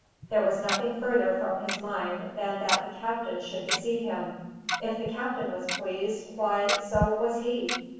There was nothing further from his mind than that the captain should deceive him; if the captain was pleased, why, so was he.